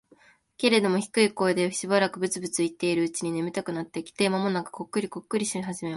けれども、低い声でしばらくブツブツ言っているうちに、眠たくなってきて、間もなくコックリコックリし始めました。